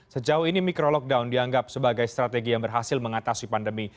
sejauh ini micro lockdown dianggap sebagai strategi yang berhasil mengatasi pandemi